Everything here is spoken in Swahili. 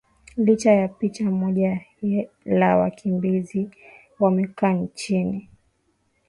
lina picha moja la wakimbizi wamekaa chini